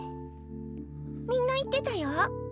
みんな言ってたよ。